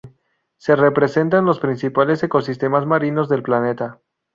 Se representan los principales ecosistemas marinos del planeta.